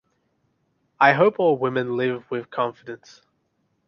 I hope all women live with confidence.